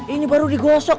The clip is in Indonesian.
ini baru digosok ya